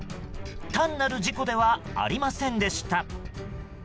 単なる事故ではありませんでした。